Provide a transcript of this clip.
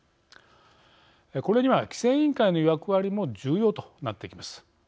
これには規制委員会の役割も重要となってきます。